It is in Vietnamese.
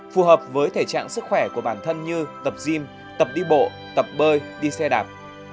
phù hợp với thể trạng sức khỏe của bản thân như tập gym tập đi bộ tập bơi đi xe đạp